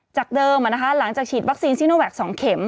จากเดิมหลังจากฉีดวัคซีนซีโนแวค๒เข็ม